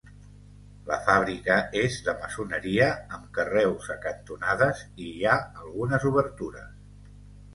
La fàbrica és de maçoneria, amb carreus a cantonades i hi ha algunes obertures.